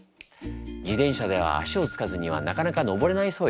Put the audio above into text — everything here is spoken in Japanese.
自転車では足をつかずにはなかなか上れないそうよ。